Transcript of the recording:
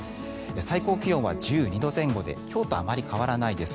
最高気温は１２度前後で今日とあまり変わらないです。